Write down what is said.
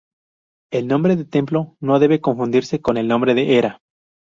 El "nombre de templo" no debe confundirse con el "nombre de era".